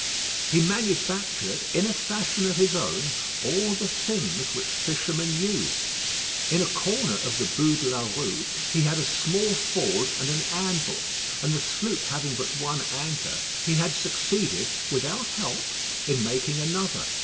He manufactured, in a fashion of his own, all the things which fishermen use. In a corner of the Bû de la Rue he had a small forge and an anvil; and the sloop having but one anchor, he had succeeded, without help, in making another.